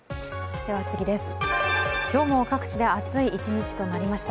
今日も各地で暑い一日になりました。